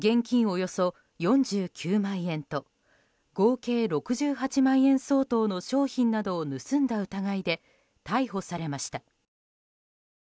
およそ４９万円と合計６８万円相当の商品などを盗んだ疑いで逮捕されました。